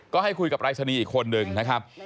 ก็ให้คุยกับปรายศนีย์อีกคนนึงนะครับ